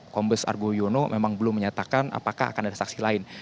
kombes argo yono memang belum menyatakan apakah akan ada saksi lain